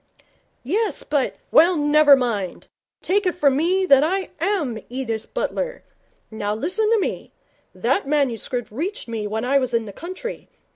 'Yes, but ' 'Well, never mind. Take it from me that I am Edith Butler. Now listen to me. That manuscript reached me when I was in the country.